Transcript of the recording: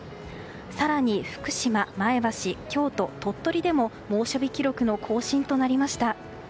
更に福島、前橋、京都、鳥取でも猛暑日記録更新となりました。